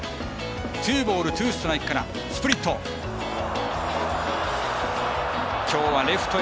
ツーボール、ツーストライクからスプリット。